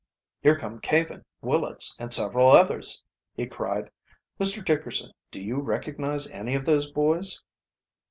"Here come Caven, Willets, and several others!" he cried. "Mr. Dickerson, do you recognize any of those boys?"